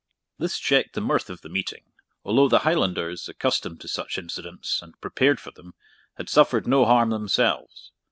] This checked the mirth of the meeting, although the Highlanders, accustomed to such incidents, and prepared for them, had suffered no harm themselves.